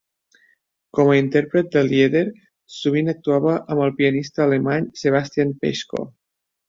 Com a intèrpret de Lieder, sovint actuava amb el pianista alemany Sebastian Peschko.